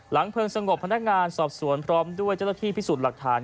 หลังเพลิงสงบพนักงานสอบส่วนพร้อมด้วยแจฏฐีพิสูจน์หลักฐาน